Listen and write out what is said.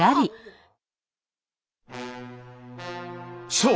そう！